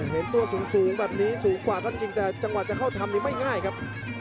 เห็นตัวสูงแบบนี้สูงกว่าท่านจริงแต่จังหวะจะเข้าทำนี่ไม่ง่ายครับ